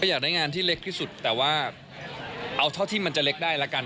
อยากได้งานที่เล็กที่สุดแต่ว่าเอาเท่าที่มันจะเล็กได้ละกัน